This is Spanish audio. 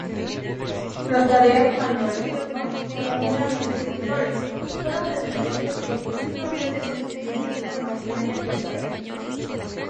Las tareas manuales no meramente puntuales fueron desde entonces progresivamente sustituidas por maquinaria pesada.